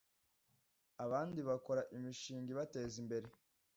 abandi bakora imishinga ibateza imbere